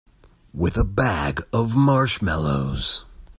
With a bag of marshmallows.